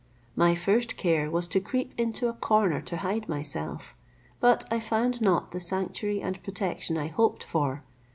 My first care was to creep into a corner to hide myself; but I found not the sanctuary and protection I hoped for.